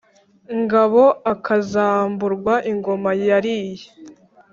ngabo akazamburwa ingoma yariye.